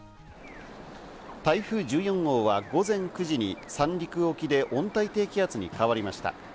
台風１４号は午前９時に三陸沖で温帯低気圧に変わりました。